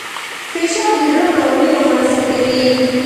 فشار د زړه ناروغۍ رامنځته کوي